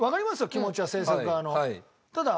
気持ちは制作側の。